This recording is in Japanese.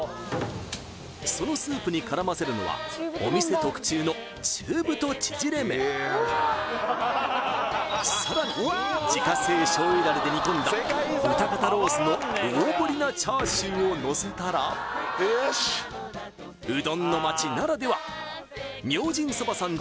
そのスープに絡ませるのはお店特注の中太ちぢれ麺さらに自家製醤油ダレで煮込んだ豚肩ロースの大ぶりなチャーシューをのせたらうどんの町ならでは明神そばさん